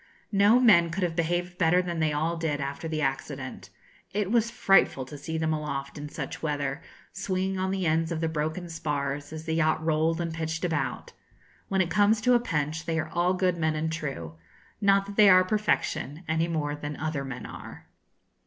No men could have behaved better than they all did after the accident. It was frightful to see them aloft in such weather, swinging on the ends of the broken spars, as the yacht rolled and pitched about. When it comes to a pinch they are all good men and true: not that they are perfection, any more than other men are.